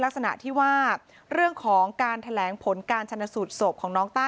ลักษณะที่ว่าเรื่องของการแถลงผลการชนสูตรศพของน้องต้า